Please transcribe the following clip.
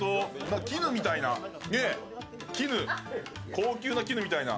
高級な絹みたいな。